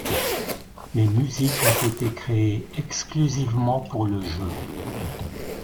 Les musiques ont été créées exclusivement pour le jeu.